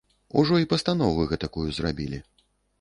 Ужо й пастанову гэтакую зрабілі.